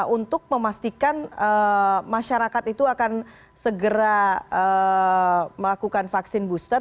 untuk memastikan masyarakat itu akan segera melakukan vaksin booster